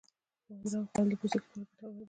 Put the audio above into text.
د بادرنګو خوړل د پوستکي لپاره ګټور دی.